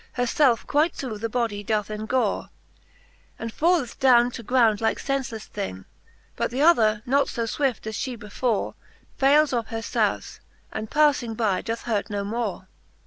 Her felfe quite through the bodie doth engore, And falleth downe to ground like fenfeleffe thing; But th' other not fo fwift, as fhe before, Fayles of her foufe, and pafUng by doth hurt no more.